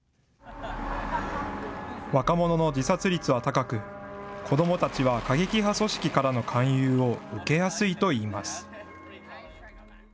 若者の自殺率は高く、子どもたちは過激派組織からの勧誘を受けやすいといいます。